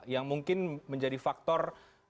yang mungkin menjadi faktor